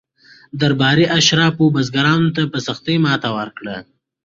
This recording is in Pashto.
درباري اشرافو بزګرانو ته په سختۍ ماته ورکړه.